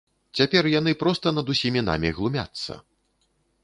Цяпер яны проста над усімі намі глумяцца.